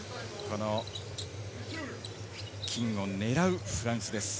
金を狙うフランスです。